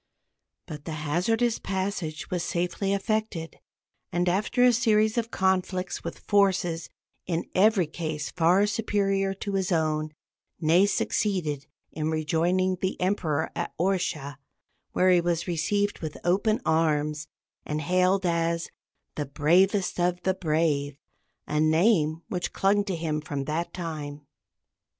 But the hazardous passage was safely effected, and after a series of conflicts with forces in every case far superior to his own, Ney succeeded in rejoining the Emperor at Orsha, where he was received with open arms, and hailed as "the bravest of the brave" a name which clung to him from that time.